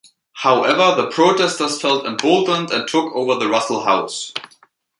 However, the protesters felt emboldened and took over the Russell House.